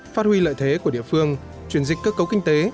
phát huy lợi thế của địa phương chuyển dịch cơ cấu kinh tế